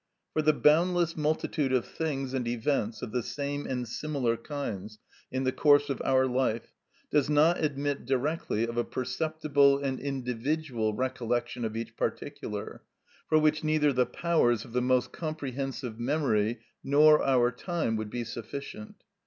For the boundless multitude of things and events of the same and similar kinds, in the course of our life, does not admit directly of a perceptible and individual recollection of each particular, for which neither the powers of the most comprehensive memory nor our time would be sufficient.